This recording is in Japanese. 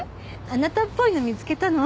あなたっぽいの見つけたの。